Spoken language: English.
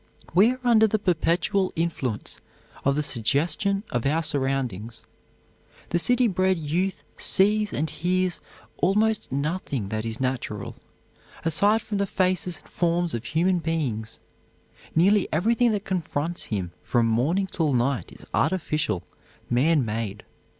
We are under the perpetual influence of the suggestion of our surroundings. The city bred youth sees and hears almost nothing that is natural, aside from the faces and forms of human beings. Nearly everything that confronts him from morning till night is artificial, man made.